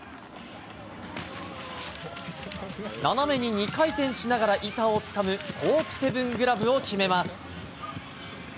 斜めに２回転しながら板をつかむコーク７２０グラブを決めます。